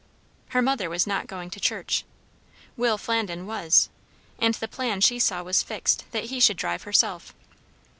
Her mother was not going to church; Will Flandin was; and the plan, she saw, was fixed, that he should drive herself.